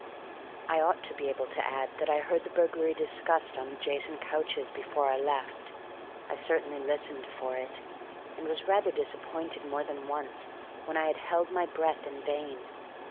I ought to be able to add that I heard the burglary discussed on adjacent couches before I left. I certainly listened for it, and was rather disappointed more than once when I had held my breath in vain.